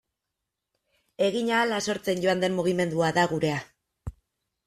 Egin ahala sortzen joan den mugimendua da gurea.